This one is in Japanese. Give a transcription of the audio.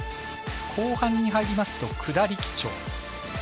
後半に入りますと下り基調。